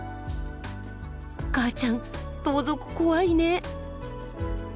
母ちゃん盗賊怖いね。